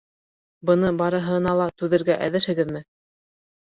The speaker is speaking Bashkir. Бының барыһына ла түҙергә әҙерһегеҙме?